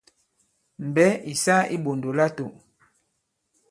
Mbɛ̌ ì sa i iɓòndò latō.